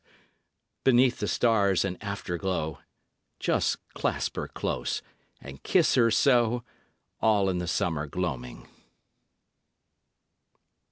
Beneath the stars and afterglow, Just clasp her close and kiss her so, All in the summer gloaming."